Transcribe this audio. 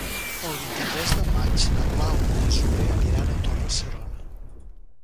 El vint-i-tres de maig na Blau i na Zoè aniran a Torre-serona.